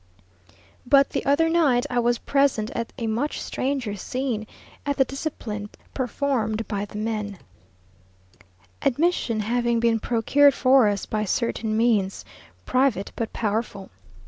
But the other night I was present at a much stranger scene, at the discipline performed by the men; admission having been procured for us, by certain means, private but powerful.